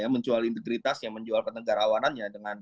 menjual integritasnya menjual penegara awanannya